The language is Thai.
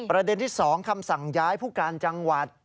ประเด็นที่๒คำสั่งย้ายผู้การจังหวัด